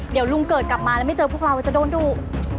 เดี๋ยวลุงเกิดกลับมาแล้วไม่เจอพวกเราจะโดนดุ